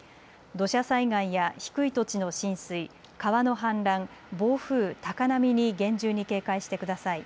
土砂災害や低い土地の浸水、川の氾濫、暴風、高波に厳重に警戒してください。